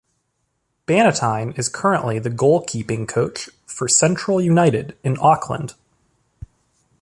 Bannatyne is currently the goalkeeping coach for Central United in Auckland.